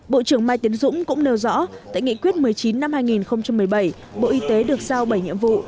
bộ trưởng mai tiến dũng cũng nêu rõ tại nghị quyết một mươi chín năm hai nghìn một mươi bảy bộ y tế được giao bảy nhiệm vụ